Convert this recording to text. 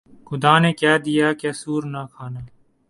خدا نے کہہ دیا کہ سؤر نہ کھانا